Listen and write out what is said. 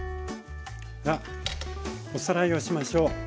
さあおさらいをしましょう。